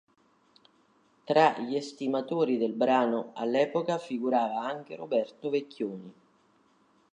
Tra gli estimatori del brano all'epoca figurava anche Roberto Vecchioni.